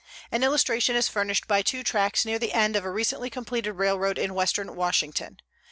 An illustration is furnished by two tracts near the end of a recently completed railroad in western Washington.